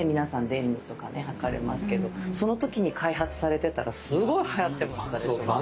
デニムとかねはかれますけどその時に開発されてたらすごいはやってましたでしょうね。